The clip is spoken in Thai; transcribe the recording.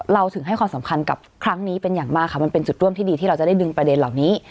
ถึงให้ความสำคัญกับครั้งนี้เป็นอย่างมากค่ะมันเป็นจุดร่วมที่ดีที่เราจะได้ดึงประเด็นเหล่านี้